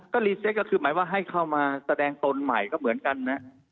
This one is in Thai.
ก็รีเซตก็คือหมายว่าให้เข้ามาแสดงตนใหม่ก็เหมือนกันนะ